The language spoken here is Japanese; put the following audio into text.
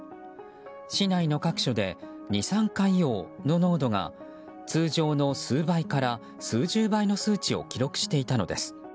市内の各所で二酸化硫黄の濃度が通常の数倍から数十倍の数値を記録していたのです。